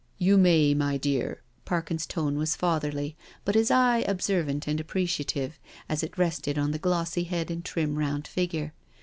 " You may, my dear." Parkins's tone was fatherly, but his eye observant and appreciative, as it rested on the glossy head and trim round figure.